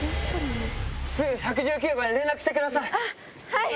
すぐ１１９番に連絡してくだあっ、はい。